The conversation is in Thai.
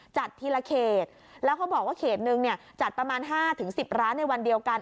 จัดทีละเขตแล้วเขาบอกว่าเขตนึงเนี่ยจัดประมาณ๕๑๐ร้านในวันเดียวกัน